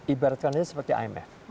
ibaratkan saja seperti imf